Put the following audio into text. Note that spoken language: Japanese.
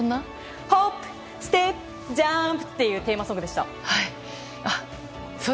ホップステップジャンプ！っていうテーマソングでした。